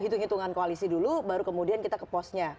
hitung hitungan koalisi dulu baru kemudian kita ke posnya